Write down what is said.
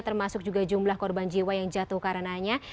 termasuk juga jumlah korban jiwa yang jatuh karenanya